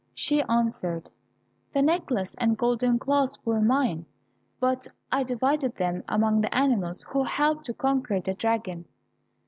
She answered, "The necklace and golden clasp were mine, but I divided them among the animals who helped to conquer the dragon."